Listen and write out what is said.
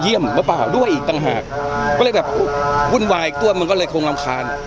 หรือเปล่าด้วยอีกต่างหากก็เลยแบบวุ่นวายตัวมันก็เลยคงรำคาญ